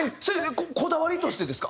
こだわりとしてですか？